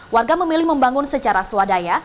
warga memilih membangun secara swadaya